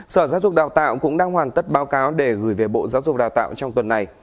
sở giáo dục đào tạo cũng đang hoàn tất báo cáo để gửi về bộ giáo dục đào tạo trong tuần này